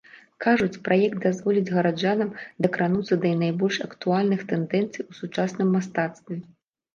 Кажуць, праект дазволіць гараджанам дакрануцца да найбольш актуальных тэндэнцый у сучасным мастацтве.